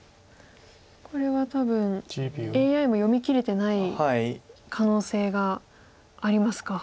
これは多分ＡＩも読みきれてない可能性がありますか。